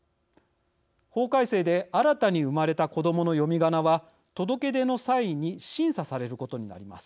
法改正で新たに生まれた子どもの読みがなは届け出の際に審査されることになります。